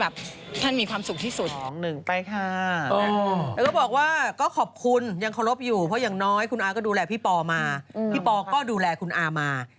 แล้วก็บอกว่าก็ขอบคุณยังเคารพอยู่เพราะอย่างน้อยคุณอาก็ดูแลพี่ปอมาพี่ปอก็ดูแลคุณอามา